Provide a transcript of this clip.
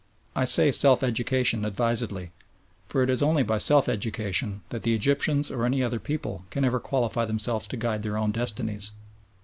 I say self education advisedly, for it is only by self education that the Egyptians or any other people can ever qualify themselves to guide their own destinies.